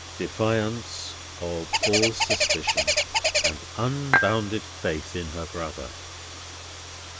"Defiance of all suspicion, and unbounded faith in her brother."